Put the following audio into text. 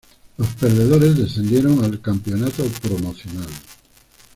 Los perdedores descendieron al "Campeonato Promocional".